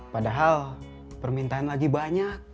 padahal permintaan lagi banyak